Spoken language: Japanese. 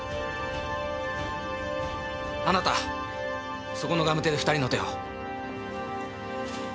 あなたそこのガムテで２人の手を。